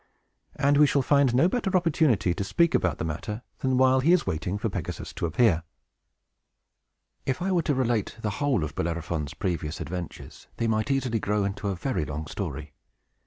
And we shall find no better opportunity to speak about this matter than while he is waiting for Pegasus to appear. If I were to relate the whole of Bellerophon's previous adventures, they might easily grow into a very long story.